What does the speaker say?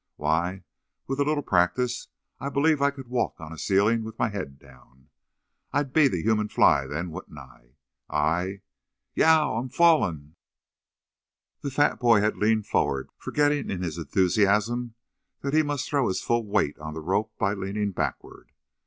Why, with a little practice I believe I could walk on a ceiling with my head down. I'd be the human fly, then, wouldn't I? I Yeow! I'm falling!" The fat boy had leaned forward, forgetting in his enthusiasm that he must throw his full weight on the rope by leaning backward.